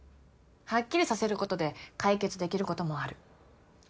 はっきりさせることで解決できることもある。